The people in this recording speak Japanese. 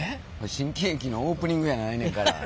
新喜劇のオープニングやないねんから。